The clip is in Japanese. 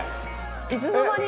いつの間に？